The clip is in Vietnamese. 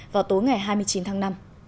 vào tối ngày hai mươi chín tháng năm